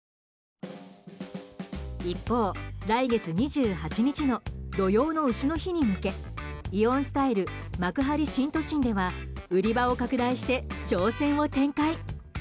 一方、来月２８日の土用の丑の日に向けイオンスタイル幕張新都心では売り場を拡大して商戦を展開。